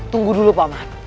tunggu dulu paman